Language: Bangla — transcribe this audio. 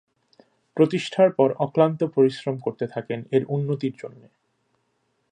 প্রতিষ্ঠার পর অক্লান্ত পরিশ্রম করতে থাকেন এর উন্নতির জন্য।